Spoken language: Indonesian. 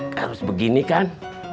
harus begini kan